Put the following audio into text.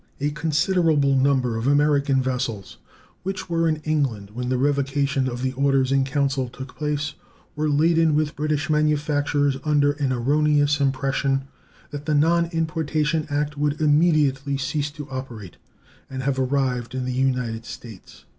A considerable number of American vessels which were in England when the revocation of the orders in council took place were laden with British manufactures under an erroneous impression that the non importation act would immediately cease to operate, and have arrived in the United States.